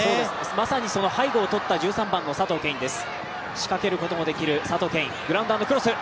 まさにその背後を取った１３番、佐藤恵允です。